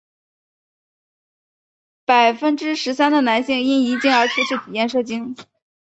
百分之十三的男性因遗精而初次体验射精。